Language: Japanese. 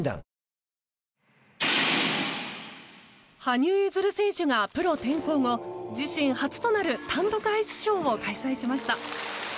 羽生結弦選手がプロ転向後自身初となる単独アイスショーを開催しました。